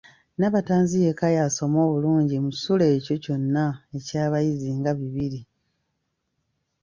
Nabatanzi yekka y'asoma obulungi mu kisulo ekyo kyonna eky’abayizi nga bibiri.